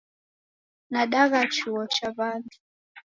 Nadagha chuo cha w'andu